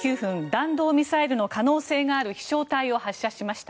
弾道ミサイルの可能性がある飛翔体を発射しました。